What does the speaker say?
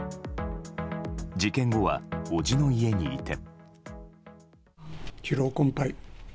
事件後は、伯父の家にいて。